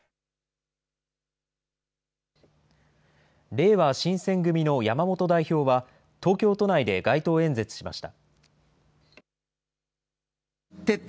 れいわ新選組の山本代表は、東京都内で街頭演説しました。